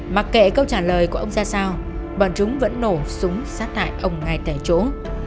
mặc kệ câu trả lời của ông ra sao bọn chúng vẫn nổ súng sát hại ông ngay tại chỗ